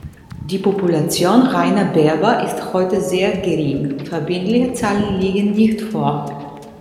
Die Population reiner Berber ist heute sehr gering, verbindliche Zahlen liegen nicht vor.